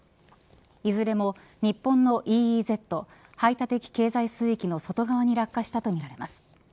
いずれも日本のＥＥＺ排他的経済水域の外側に落下したとみられます。